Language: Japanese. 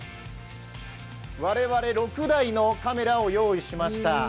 我々６台のカメラを用意しました。